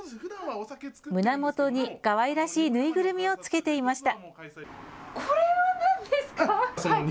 胸元にかわいらしい縫いぐるみを付けていました。